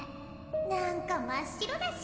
・何か真っ白だし